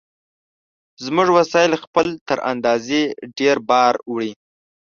زموږ وسایل خپل تر اندازې ډېر بار وړي.